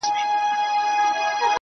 خدايه ښه نـری بـاران پرې وكړې نن.